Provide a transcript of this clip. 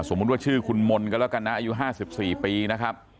สมมติว่าชื่อคุณมนต์ก็แล้วกันนะอายุห้าสิบสี่ปีนะครับ